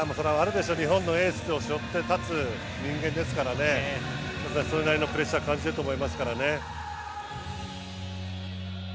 日本のエースを背負って立つ人間ですからねそれなりのプレッシャーを感じていると思いますからね。